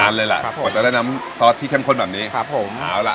เลยแหละครับกว่าจะได้น้ำซอสที่เข้มข้นแบบนี้ครับผมเอาล่ะ